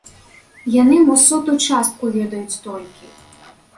Яны мо сотую частку ведаюць толькі.